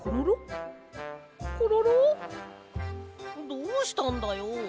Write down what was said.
どうしたんだよ？